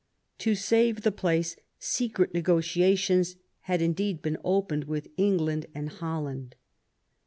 To save the place secret negotiations had indeed been opened with England and Holland.